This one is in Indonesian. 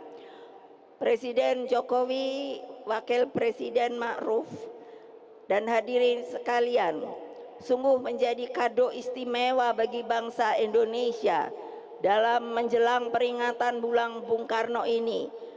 dan presiden jokowi wakil presiden ma'ruf dan hadirin sekalian sungguh menjadi kado istimewa bagi bangsa indonesia dalam menjelang peringatan bulan bung karno ini